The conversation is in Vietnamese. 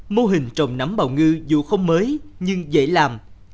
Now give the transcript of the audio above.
mô hình trồng nấm bào ngư dù không mới nhưng dễ làm